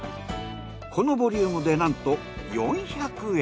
このボリュームでなんと４００円。